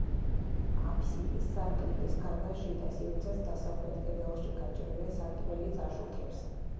აფსიდის სარკმლის გარდა, შიდა სივრცეს დასავლეთ კედელში გაჭრილი სარკმელიც აშუქებს.